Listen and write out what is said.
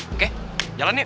oke jalan yuk